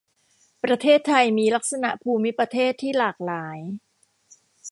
ประเทศไทยมีลักษณะภูมิประเทศที่หลากหลาย